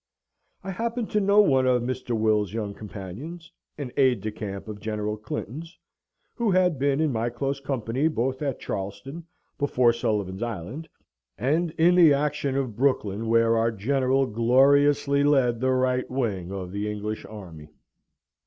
I happened to know one of Mr. Will's young companions, an aide de camp of General Clinton's, who had been in my close company both at Charleston, before Sullivan's Island, and in the action of Brooklyn, where our General gloriously led the right wing of the English army.